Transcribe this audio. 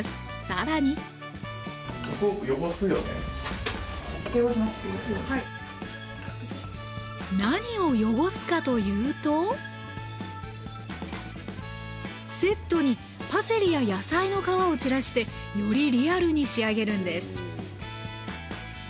更に何を汚すかというとセットにパセリや野菜の皮を散らしてよりリアルに仕上げるんです